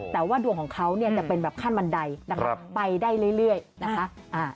แต่ว่าดวงของเขาจะเป็นขั้นบันไดไปได้เรื่อยนะคะ